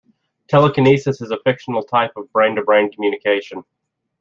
Telekinesis is a fictional type of brain to brain communication.